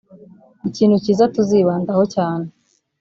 ikintu cyiza tuzibandaho cyane